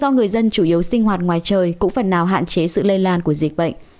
do người dân chủ yếu sinh hoạt ngoài trời cũng phần nào hạn chế sự lây lan của dịch bệnh